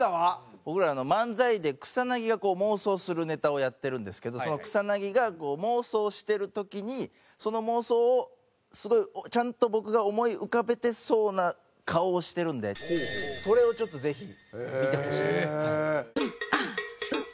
僕ら漫才で草薙が妄想するネタをやってるんですけど草薙が妄想してる時にその妄想をすごいちゃんと僕が思い浮かべてそうな顔をしてるんでそれをちょっとぜひ見てほしいですはい。